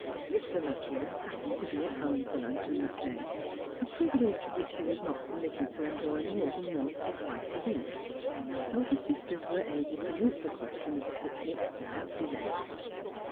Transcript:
Mr. Luttrell happened to be at home for luncheon that day — a privilege which he was not permitted to enjoy more than once or twice a week — so the sisters were able to moot the question of the picnic without delay.